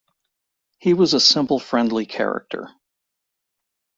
He was a simple friendly character.